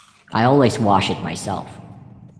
I always wash it myself.